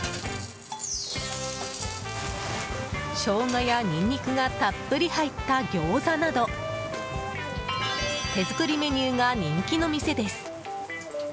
ショウガやニンニクがたっぷり入った餃子など手作りメニューが人気の店です。